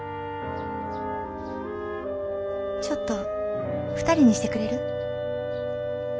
ちょっと２人にしてくれる？